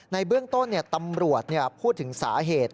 ในเบื้องต้นตำรวจพูดถึงสาเหตุ